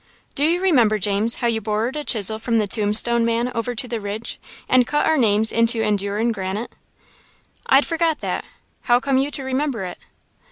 "Do you remember, James, how you borrered a chisel from the tombstone man over to the Ridge, and cut our names into endurin' granite?" "I'd forgot that how come you to remember it?"